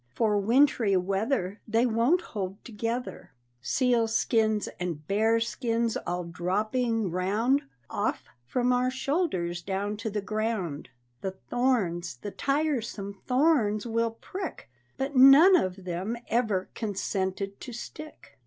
For wintry weather They won't hold together, Seal skins and bear skins all dropping round Off from our shoulders down to the ground. The thorns, the tiresome thorns, will prick, But none of them ever consented to stick!